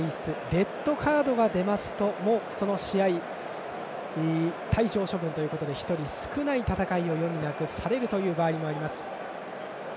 レッドカードが出ますともうその試合退場処分ということで１人少ない戦いを余儀なくされる場合もあります。